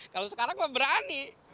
kalau sekarang berani